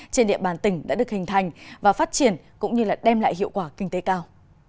trên địa bàn tỉnh đã được hình thành và phát triển cũng như đem lại hiệu quả kinh tế cao